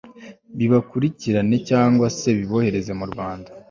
bibakurikirane cyangwa se bibohereze mu rwanda